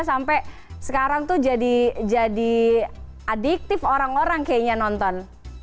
sampai sekarang tuh jadi adiktif orang orang kayaknya nonton